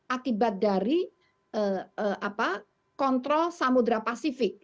akibat dari kontrol samudera pasifik